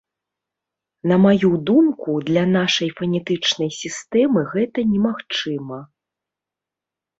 На маю думку, для нашай фанетычнай сістэмы гэта немагчыма.